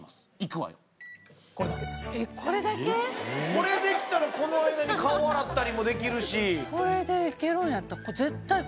これできたらこの間に顔洗ったりもできるし。